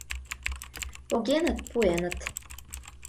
Погеныт, пуэныт...